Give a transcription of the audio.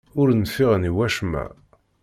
Ur nfiɛen i wacemma.